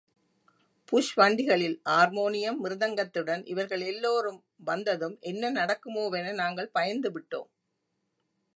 Push வண்டிகளில் ஆர்மோனியம் மிருதங்கத்துடன் இவர்கள் எல்லோரும் வந்ததும் என்ன நடக்குமோவென நாங்கள் பயந்து விட்டோம்.